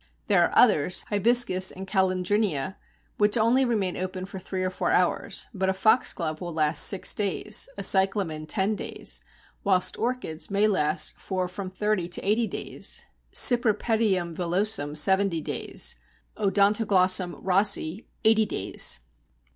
There are others, Hibiscus and Calandrinia, which only remain open for three or four hours, but a Foxglove will last six days, a Cyclamen ten days, whilst Orchids may last for from thirty to eighty days (Cypripedium villosum, seventy days, Odontoglossum Rossii, eighty days).